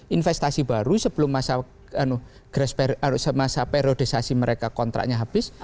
investasi baru sebelum masa periodisasi mereka kontraknya habis